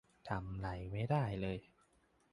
ทำไรไม่ได้เลย